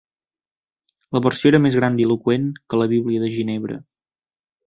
La versió era més grandiloqüent que la Bíblia de Ginebra.